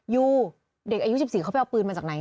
ยูเด็กอายุ๑๔เขาไปเอาปืนมาจากไหน